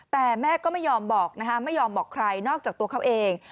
แต่แม่ก็ไม่ยอมบอกนะคะไม่ยอมบอกใครนอกจากตัวเขาเอง